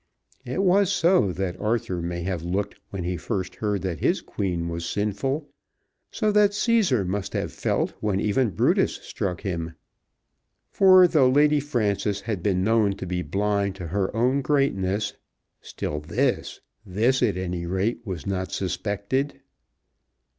It was so that Arthur may have looked when he first heard that his Queen was sinful, so that Cæsar must have felt when even Brutus struck him. For though Lady Frances had been known to be blind to her own greatness, still this, this at any rate was not suspected.